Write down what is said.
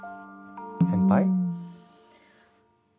先輩？